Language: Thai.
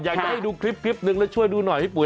อยากจะให้ดูคลิปหนึ่งแล้วช่วยดูหน่อยพี่ปุ๋